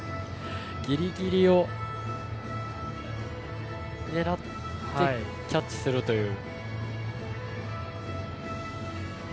ギリギリを狙ってキャッチするという。